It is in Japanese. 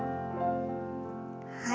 はい。